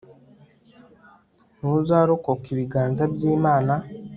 ntuzarokoka ibiganza by'imana